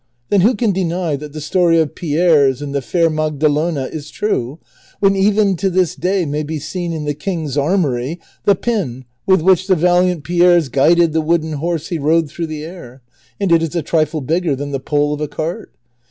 Then who can deny that the story of Pierres and the fair Magalona ^ is true, when even to this day may be seen in the king's armory the Y)in Avith Avliich the valiant IMerres guided the wooden horse he rode through the air, and it is a trifle bigger than the pole of a cart